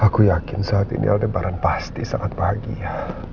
aku yakin saat ini lebaran pasti sangat bahagia